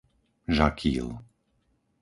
Žakýl